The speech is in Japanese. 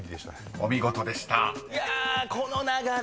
［お見事でした］